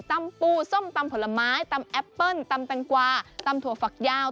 ปูส้มตำผลไม้ตำแอปเปิ้ลตำแตงกวาตำถั่วฝักยาว